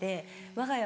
わが家